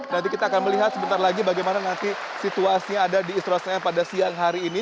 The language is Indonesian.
nanti kita akan melihat sebentar lagi bagaimana nanti situasinya ada di istora senayan pada siang hari ini